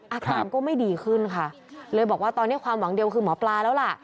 อาการก็ไม่ดีขึ้นค่ะเลยบอกว่าตอนนี้ความหวังเดียวคือหมอปลาแล้วล่ะ